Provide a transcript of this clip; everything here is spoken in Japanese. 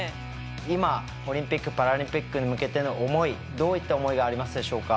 今オリンピックパラリンピックに向けての思いどういった思いがありますでしょうか。